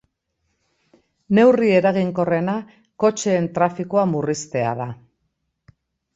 Neurri eraginkorrena kotxeen trafikoa murriztea da.